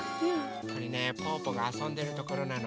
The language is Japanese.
これねぽぅぽがあそんでるところなの。